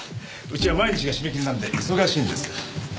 うちは毎日が締め切りなんで忙しいんです。